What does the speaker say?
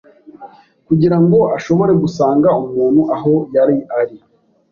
kugira ngo ashobore gusanga umuntu aho yari ari